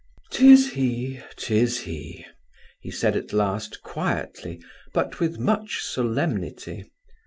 "'Tis he, 'tis he!" he said at last, quietly, but with much solemnity.